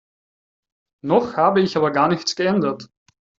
Noch habe ich aber gar nichts geändert.